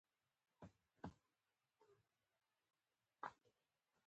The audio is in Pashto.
د زراعتي فستیوالونو له لارې عامه پوهاوی زیاتېږي.